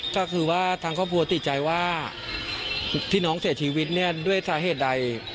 ก็คือว่าทางครอบครัวติดใจว่าที่น้องเสียชีวิตเนี่ยด้วยสาเหตุใด